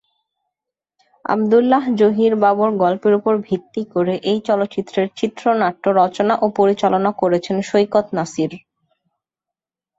আব্দুল্লাহ জহির বাবুর গল্পের উপর ভিত্তি করে এই চলচ্চিত্রের চিত্রনাট্য রচনা ও পরিচালনা করেছেন সৈকত নাসির।